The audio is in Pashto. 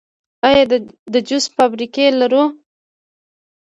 آیا د جوس فابریکې لرو؟